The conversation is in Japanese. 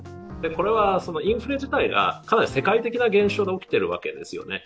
これは、インフレ自体が世界的な現象として起きているわけですよね